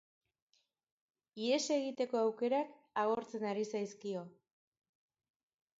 Ihes egiteko aukerak agortzen ari zaizkio.